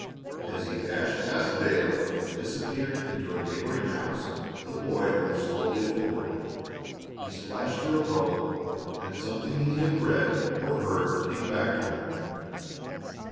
As he dashed past Dale and disappeared into a neighboring house, the boy moved slowly forward. He splashed through a puddle, and something he had read, or heard, came back to him.